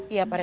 iya pak rete